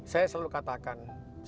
saya selalu katakan